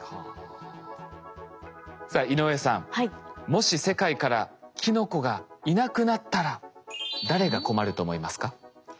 もし世界からキノコがいなくなったら誰が困ると思いますか？